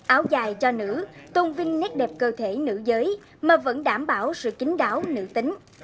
áo dài cho nữ tôn vinh nét đẹp cơ thể nữ giới mà vẫn đảm bảo sự kính đáo nữ tính